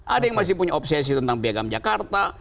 ada yang masih punya obsesi tentang piagam jakarta